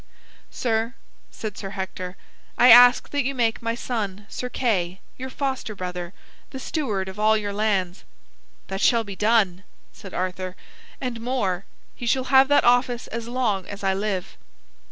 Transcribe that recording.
"Sir," said Sir Hector, "I ask that you make my son Sir Kay, your foster brother, the steward of all your lands." "That shall be done," said Arthur, "and more. He shall have that office as long as I live."